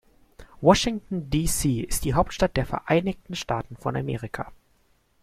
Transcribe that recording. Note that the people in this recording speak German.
Washington, D.C. ist die Hauptstadt der Vereinigten Staaten von Amerika.